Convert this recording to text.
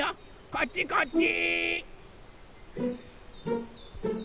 こっちこっち！